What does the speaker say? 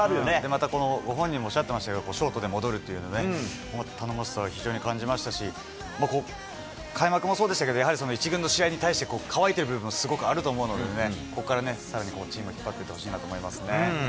またご本人もおっしゃってましたけど、ショートで戻るっていうのは頼もしさを非常に感じましたし、開幕もそうでしたけど、やはり１軍の試合に対して、かわいている部分もあると思いますのでね、ここからさらにチームを引っ張ってほしいなと思いますね。